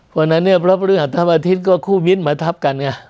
เพราะฉะนั้นเนี่ยพระบริหัสธรรมอาทิตย์ก็คู่มิ้นมาทับกันไง